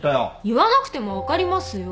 言わなくても分かりますよ。